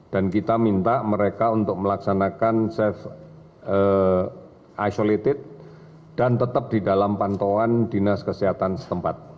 dan kita minta mereka untuk melaksanakan safe isolated dan tetap di dalam pantauan dinas kesehatan setempat